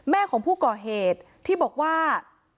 แม่ของผู้ก่อเหตุที่บอกว่า